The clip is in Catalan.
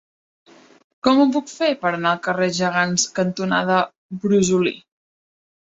Com ho puc fer per anar al carrer Gegants cantonada Brosolí?